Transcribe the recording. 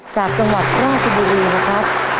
จากจังหวัดพระยุบรีครับ